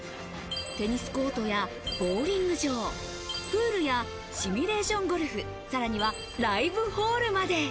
テニスコートやボウリング場、プールやシミュレーションゴルフ、さらにはライブホールまで。